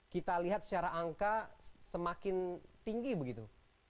kita lihat secara angka semakin tinggi begitu